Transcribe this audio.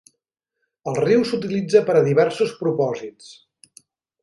El riu s'utilitza per a diversos propòsits.